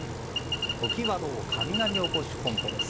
常盤堂雷おこし本舗です。